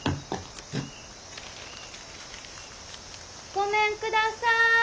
ごめんください！